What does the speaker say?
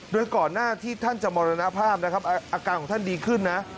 โดยก่อนหน้าที่ท่านจะมรณภาพนะครับอาการของท่านดีขึ้นนะ